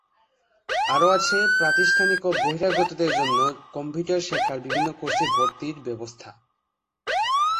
আরো আছে প্রাতিষ্ঠানিক ও বহিরাগতদের জন্য কম্পিউটার শেখার বিভিন্ন কোর্সে ভর্তির ব্যবস্থা।